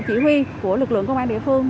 chỉ huy của lực lượng công an địa phương